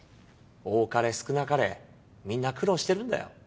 多かれ少なかれみんな苦労してるんだよ。